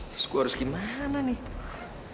masuk gue harus ke mana nih